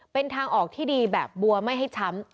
เป็นทางออกที่ดีแบบบัวไม่ให้ช้ำ